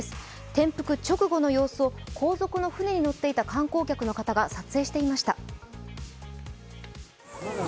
転覆直後の様子を、後続の舟に乗っていた観光客の方が撮影していました。